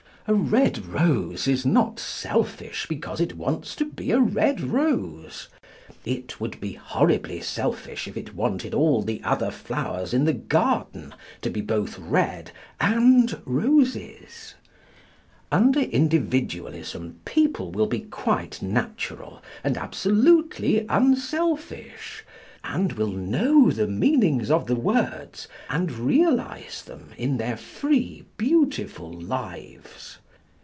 A red rose is not selfish because it wants to be a red rose. It would be horribly selfish if it wanted all the other flowers in the garden to be both red and roses. Under Individualism people will be quite natural and absolutely unselfish, and will know the meanings of the words, and realise them in their free, beautiful lives.